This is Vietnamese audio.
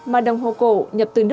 mà đồng hồ cổ nhập từ nước ngoài